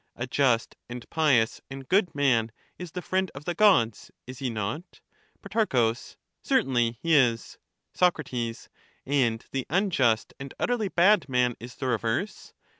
A just and pious and good man is the friend of the gods ; is he not ? Pro. Certainly he is. Soc. And the unjust and utterly bad man is the reverse?